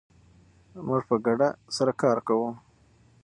موږ په ګډه سره کار کوو.